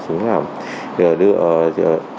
chính là đưa một tổ hợp